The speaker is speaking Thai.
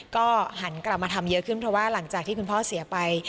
ก็หันกลับมาทำเยอะขึ้นเพราะว่าหลังจากที่คุณพ่อเสียไป